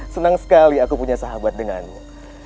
senang sekali aku punya sahabat denganmu